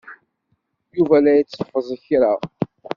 Yuba la itteffeẓ kra.